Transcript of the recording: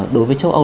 đối với châu âu